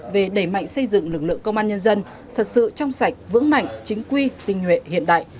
về đẩy mạnh xây dựng lực lượng công an nhân dân thật sự trong sạch vững mạnh chính quy tinh nhuệ hiện đại